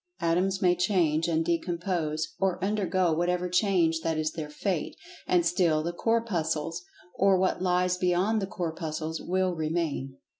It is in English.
Atoms may change, and decompose, or undergo whatever change that is their fate, and still the Corpuscles, or what lies beyond the Corpuscles will remain.